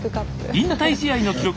引退試合の記録